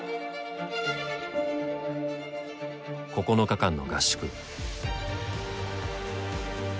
９日間の合宿。